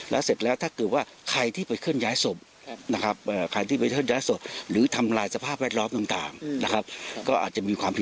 และใครที่ทำอะไรได้กฎหมายห้ามเอาไว้